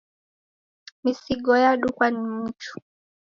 Misigo yadukwa ni mchungu